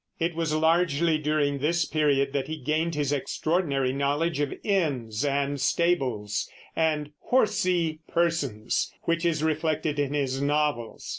It was largely during this period that he gained his extraordinary knowledge of inns and stables and "horsey" persons, which is reflected in his novels.